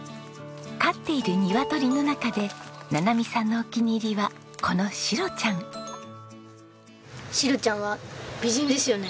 飼っているニワトリの中でななみさんのお気に入りはこのシロちゃん。シロちゃんは美人ですよね。